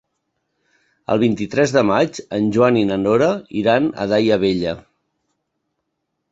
El vint-i-tres de maig en Joan i na Nora iran a Daia Vella.